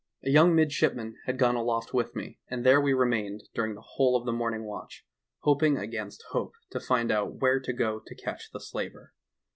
"A young midshipman had gone aloft with me, and there we remained during the whole of the morning watch, hoping against hope to find out where to go to catch the slaver.